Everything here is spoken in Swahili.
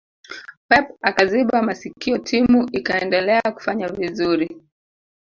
pep akaziba masikio timu ikaendelea kufanya vizuri